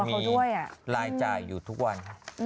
มันมีรายจ่ายอยู่ทุกวัน